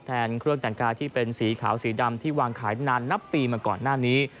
เครื่องแต่งกายที่เป็นสีขาวสีดำที่วางขายนานนับปีมาก่อนหน้านี้